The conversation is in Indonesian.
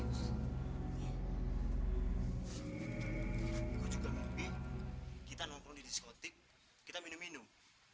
gue juga ngopi kita nongkrong di diskotik kita minum minum